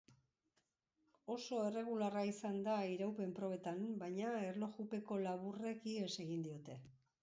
Oso erregularra izan da iraupen probetan, baina erlojupeko laburrek ihes egin diote.